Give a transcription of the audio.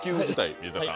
水田さん